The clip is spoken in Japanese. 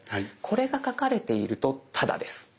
これが書かれているとタダです。